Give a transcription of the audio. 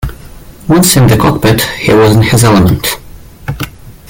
Once in the cockpit, he was in his element.